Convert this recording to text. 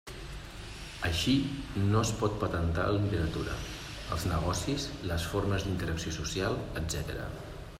Així, no es pot patentar la literatura, els negocis, les formes d'interacció social, etc.